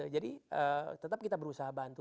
jadi tetap kita berusaha bantu